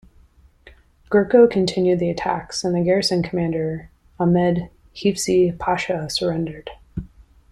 Gourko continued the attacks and the garrison commander Ahmed Hifzi Pasha surrendered.